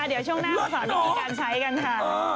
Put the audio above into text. เดี๋ยวช่วงหน้าเราสอนิดหนึ่งการใช้กันค่ะ